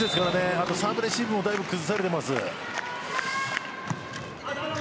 あとサーブレシーブもだいぶ崩されています。